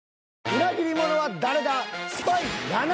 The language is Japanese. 裏切者は誰だ？